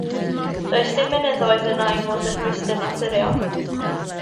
Does dim mynyddoedd yno i fod yn rhwystr naturiol.